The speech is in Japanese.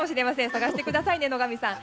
探してくださいね、野上さん。